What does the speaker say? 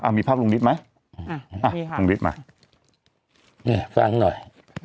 อ่ามีภาพลุงนิดไหมเอาลุงนิดมาฟังหน่อย